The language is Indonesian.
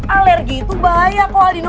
alergi itu bahaya kok aldino